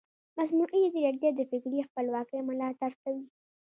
مصنوعي ځیرکتیا د فکري خپلواکۍ ملاتړ کوي.